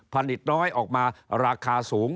น้อยออกมาราคาสูง